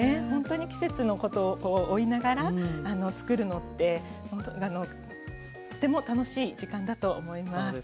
ほんとに季節を追いながらつくるのってとても楽しい時間だと思います。